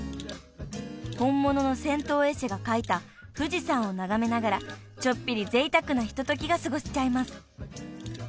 ［本物の銭湯絵師が描いた富士山を眺めながらちょっぴりぜいたくなひとときが過ごせちゃいます］